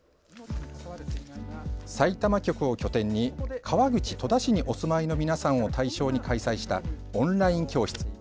さいたま局を拠点に、川口戸田市にお住まいの方を中心に開催した、オンライン教室。